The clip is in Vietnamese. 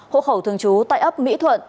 hộ khẩu thường trú tại ấp mỹ thuận